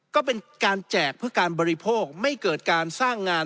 ก็เป็นการแจกเพื่อการบริโภคไม่เกิดการสร้างงาน